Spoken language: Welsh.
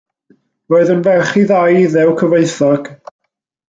Roedd yn ferch i ddau Iddew cyfoethog.